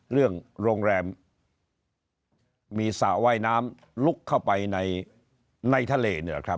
เรื่องโรงแรมมีสระว่ายน้ำลุกเข้าไปในทะเล